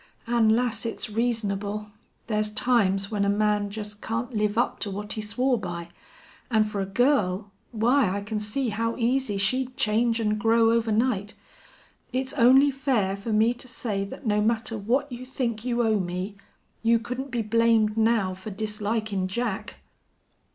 An', lass, it's reasonable. Thar's times when a man jest can't live up to what he swore by. An' fer a girl why, I can see how easy she'd change an' grow overnight. It's only fair fer me to say that no matter what you think you owe me you couldn't be blamed now fer dislikin' Jack."